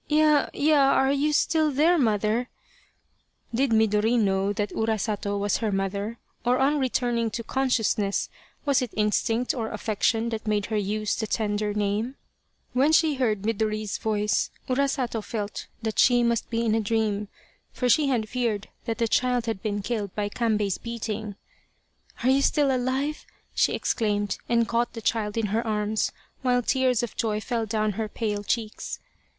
" Ya, ya ! Are you still there, mother ?" Did Midori know that Urasato was her mother, or on returning to consciousness was it instinct or affection that made her use the tender name ? When she heard Midori's voice, Urasato felt that she must be in a dream, for she had feared that the child had been killed by Kambei's beating. " Are you still alive ?" she exclaimed, and caught the child in her arms while tears of joy fell down her pale cheeks.